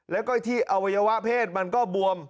แล้วก็ที่อวัยวะเพศมันก็บวม